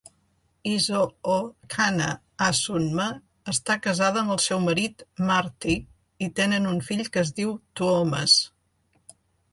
Isohookana-Asunmaa està casada amb el seu marit Martti, i tenen un fill que es diu Tuomas.